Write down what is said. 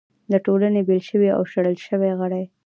د ټولنې بېل شوي او شړل شوي غړي